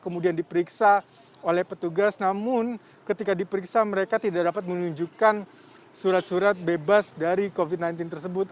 kemudian diperiksa oleh petugas namun ketika diperiksa mereka tidak dapat menunjukkan surat surat bebas dari covid sembilan belas tersebut